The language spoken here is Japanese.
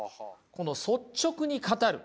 この率直に語る。